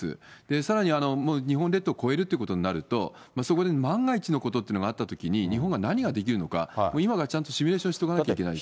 さらに日本列島を越えるということになると、そこで万が一のことがあったときに、日本が何ができるのか、今からちゃんとシミュレーションしておかないといけないですね。